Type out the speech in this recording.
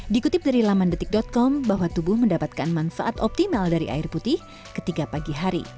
dikutip dari lamandetik com bahwa tubuh mendapatkan manfaat optimal dari air putih ketika pagi hari